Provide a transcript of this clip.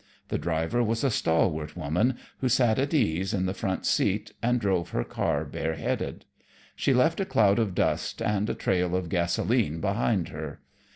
The driver was a stalwart woman who sat at ease in the front seat and drove her car bareheaded. She left a cloud of dust and a trail of gasoline behind her.